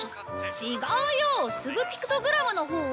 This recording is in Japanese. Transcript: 違うよスグピクトグラムのほう！